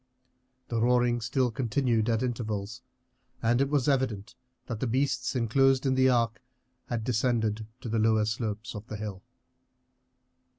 The roaring still continued at intervals, and it was evident that the beasts inclosed in the arc had descended to the lower slopes of the hill.